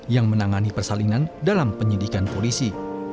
yang menangani persalinan dalam penyidikan polisi